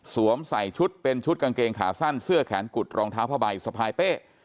ใส่ชุดเป็นชุดกางเกงขาสั้นเสื้อแขนกุดรองเท้าผ้าใบสะพายเป้